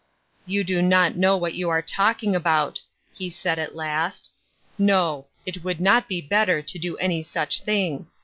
" You do not know what you are talking about," he said at last. " No ; it would not be better to do any such thing.